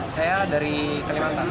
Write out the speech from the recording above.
saya dari kalimantan